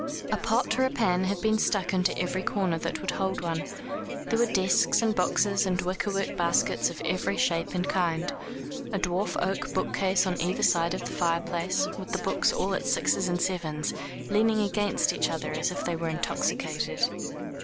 A pot or a pan had been stuck into every corner that would hold one. There were desks, and boxes, and wickerwork baskets of every shape and kind, a dwarf oak bookcase on either side of the fireplace, with the books all at sixes and sevens, leaning against each other as if they were intoxicated.